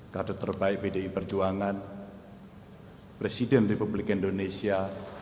kadut terbaik bdi perjuangan presiden republik indonesia